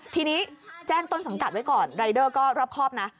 ทีนี้แจ้งต้นสังกัดไว้ก่อนรายเดอร์ก็รอบครอบนะ